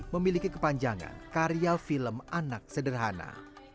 memiliki kepanjangan karya film anak sederhana